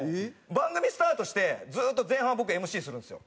番組スタートしてずっと前半は僕ＭＣするんですよ。